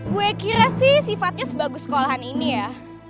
gue kira sih sifatnya sebagus sekolahan ini ya